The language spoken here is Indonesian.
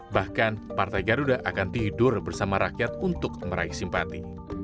bahkan partai garuda akan tidur bersama rakyat untuk meraih simpati